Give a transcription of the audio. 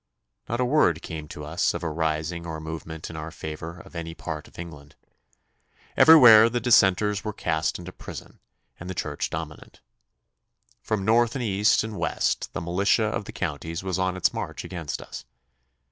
Not a word came to us of a rising or movement in our favour in any part of England. Everywhere the Dissenters were cast into prison and the Church dominant. From north and east and west the militia of the counties was on its march against us.